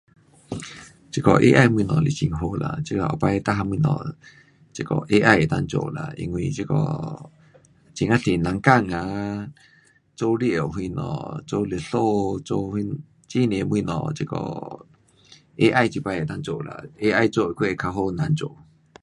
这个 AI 东西是很好啦。这个以后全部这个东西 AI 能够做啦。因为这个很啊多人工啊做数什么,做律师，有什很多东西这个 AI 这次可以做啦。AI 做的还会较好人做的。